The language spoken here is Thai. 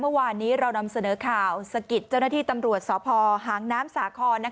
เมื่อวานนี้เรานำเสนอข่าวสะกิดเจ้าหน้าที่ตำรวจสพหางน้ำสาคร